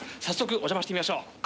早速お邪魔してみましょう。